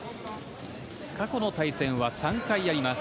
過去の対戦は３回あります。